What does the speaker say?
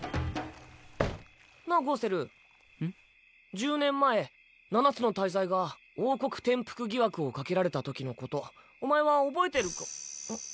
１０年前七つの大罪が王国転覆疑惑をかけられたときのことお前は覚えてるかん？